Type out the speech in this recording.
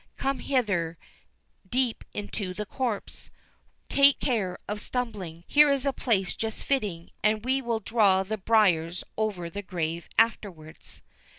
Come hither deep into the copse; take care of stumbling—Here is a place just fitting, and we will draw the briars over the grave afterwards."